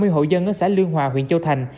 hai mươi hộ dân ở xã lương hòa huyện châu thành